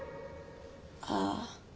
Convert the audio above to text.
ああ。